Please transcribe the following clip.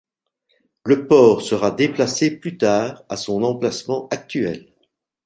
Le port sera déplacé plus tard à son emplacement actuel.